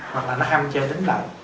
hoặc là nó ham chơi nín lại